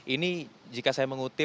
ini jika saya mengundurkan